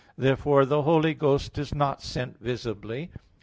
Therefore the Holy Ghost is not sent visibly.